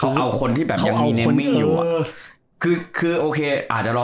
เขาเอาคนที่แบบแบบยังมีอยู่อะคือคืออาจจะรอ